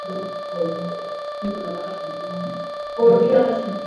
Claustro Ayacuchano.